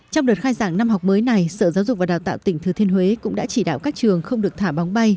trong đợt khai giảng năm học mới này sở giáo dục và đào tạo tỉnh thừa thiên huế cũng đã chỉ đạo các trường không được thả bóng bay